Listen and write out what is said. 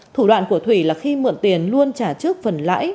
thủ đoạn của thủy là khi mượn tiền luôn trả trước phần lãi